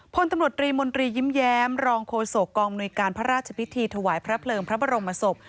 พลตำรวจรีมนตรียิ้มแย้มรองโคศกองมนุยการพระราชพิธีถวายพระเพลิงพระบรมศพ